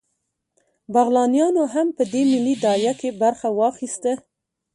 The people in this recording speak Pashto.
بغلانیانو هم په دې ملي داعیه کې برخه واخیسته